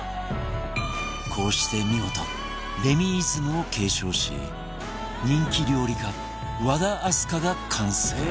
こうして見事レミイズムを継承し人気料理家和田明日香が完成